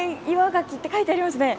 ガキって書いてありますね。